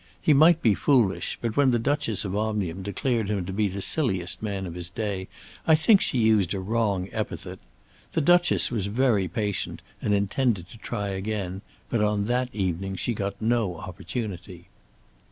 He might be foolish, but when the Duchess of Omnium declared him to be the silliest man of the day I think she used a wrong epithet. The Duchess was very patient and intended to try again, but on that evening she got no opportunity.